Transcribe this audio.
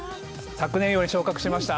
昨年より昇格しました。